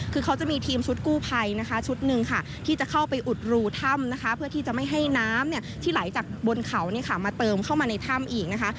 คือเขาจะมีทีมชุดกู้ภัยนะคะชุดหนึ่งค่ะที่จะเข้าไปอุดรูถ้ำนะคะเพื่อที่จะไม่ให้น้ำเนี่ยที่ไหลจากบนเขามาเติมเข้ามาในถ้ำอีกนะคะ